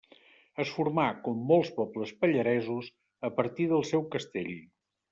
Es formà, com molts pobles pallaresos, a partir del seu castell.